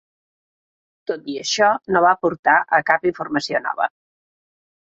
Tot i això, no va portar a cap informació nova.